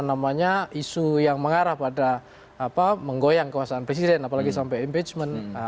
namanya isu yang mengarah pada apa menggoyang kekuasaan presiden apalagi sampai impeachment